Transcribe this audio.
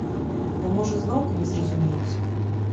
Бо, можа, зноўку не зразумеюць.